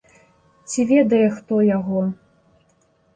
Ці ведае хто яго?